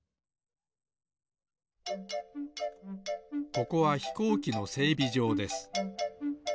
ここはひこうきのせいびじょうです。